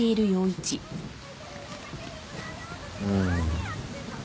うん。